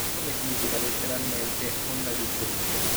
Il nome significa letteralmente "onda di zolfo".